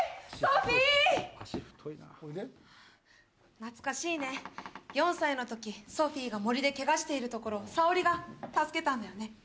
懐かしいね４歳のときソフィーが森でけがしているところをさおりが助けたんだよね